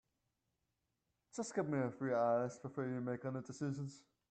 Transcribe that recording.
Just give me a few hours before you make any decisions.